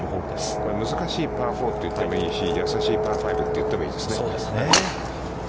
これは難しいパー４といってもいいし、優しいパー５といってもいいですね。